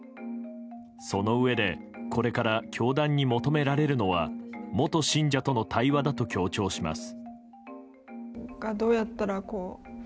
そのうえでこれから教団に求められるのは元信者との対話だと強調します。